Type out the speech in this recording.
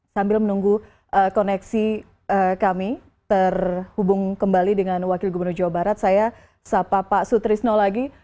sambil menunggu koneksi kami terhubung kembali dengan wakil gubernur jawa barat saya sapa pak sutrisno lagi